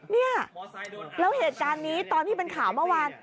เนี่ยแล้วเหตุการณ์นี้ตอนที่เป็นข่าวเมื่อวาน